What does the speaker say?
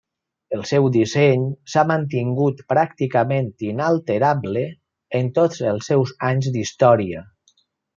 El seu disseny s'ha mantingut pràcticament inalterable en tots els seus anys d'història.